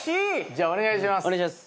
じゃあお願いします。